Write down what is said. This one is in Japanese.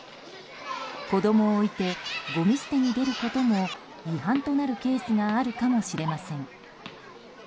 子供を置いてごみ捨てに出ることも違反となるケースがあるかもしれません。